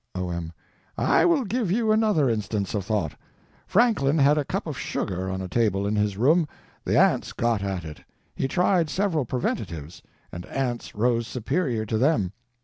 O.M. I will give you another instance of thought. Franklin had a cup of sugar on a table in his room. The ants got at it. He tried several preventives; and ants rose superior to them.